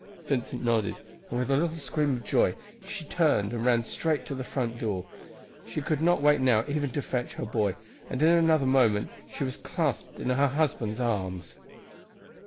Vincent nodded, and with a little scream of joy she turned and ran straight to the front door. She could not wait now even to fetch her boy, and in another moment she was clasped in her husband's arms.